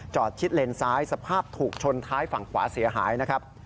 ชิดเลนซ้ายสภาพถูกชนท้ายฝั่งขวาเสียหายนะครับ